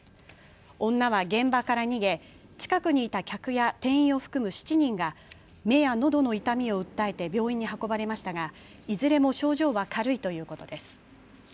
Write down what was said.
女は現場から逃げ近くにいた客や店員を含む７人が目やのどの痛みを訴えて病院に運ばれましたがいずれも症状は軽いということです。